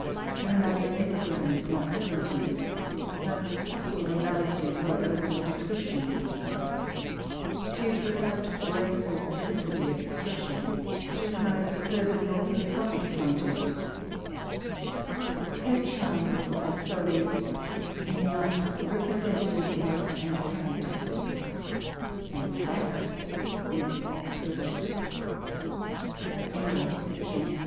There are neither epigrams nor aphorisms, neither subtle analyses nor eloquent descriptions. She is without grace or felicity of expression; she has neither fervid nor philosophio com ment Her charm lies solely in the art of representing life and character, and that is exquisite.